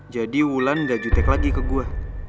wulan gak jutek lagi ke gue